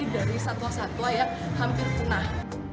dan juga kita menjaga keuntungan dari satwa satwa yang hampir punah